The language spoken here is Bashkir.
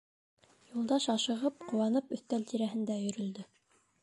Юлдаш ашығып, ҡыуанып өҫтәл тирәһендә өйөрөлдө.